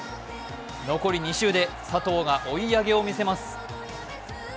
残り２周で佐藤が追い上げをみせます。